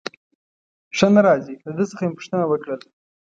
ښه نه راځي، له ده څخه مې پوښتنه وکړل.